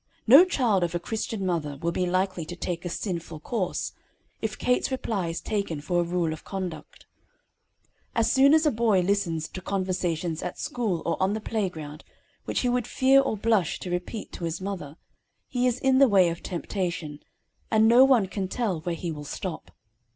No child of a Christian mother will be likely to take a sinful course, if Kate's reply is taken for a rule of conduct. As soon as a boy listens to conversations at school or on the playground, which he would fear or blush to repeat to his mother, he is in the way of temptation, and no one can tell where he will stop.